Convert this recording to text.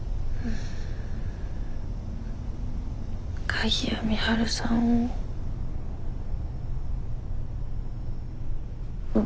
鍵谷美晴さんを奪った。